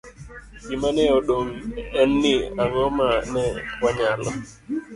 Gima ne odong ' en ni, ang'o ma ne wanyalo